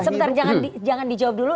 sebentar jangan dijawab dulu